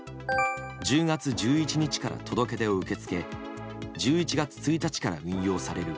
１０月１１日から届け出を受け付け１１月１日から運用される